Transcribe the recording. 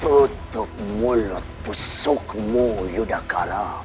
tutup mulut pesukmu yudhakala